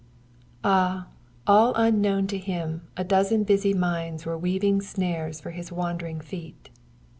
Ah! All unknown to him, a dozen busy minds were weaving snares for his wandering feet.